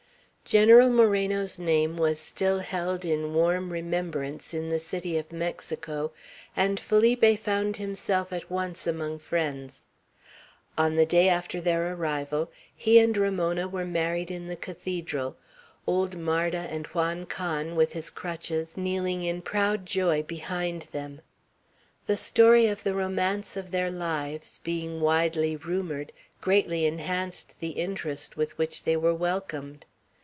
General Moreno's name was still held in warm remembrance in the city of Mexico, and Felipe found himself at once among friends. On the day after their arrival he and Ramona were married in the cathedral, old Marda and Juan Can, with his crutches, kneeling in proud joy behind them. The story of the romance of their lives, being widely rumored, greatly enhanced the interest with which they were welcomed.